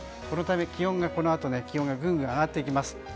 このため、気温がこのあとぐんぐん上がっていきます。